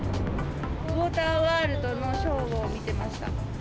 ウォーターワールドのショーを見てました。